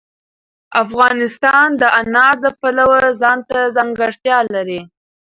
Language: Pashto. افغانستان د انار د پلوه ځانته ځانګړتیا لري.